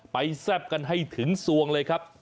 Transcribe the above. แซ่บกันให้ถึงสวงเลยครับ